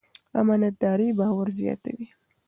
امانتداري باور زیاتوي.